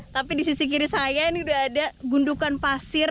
tapi di sisi kiri saya ini udah ada gundukan pasir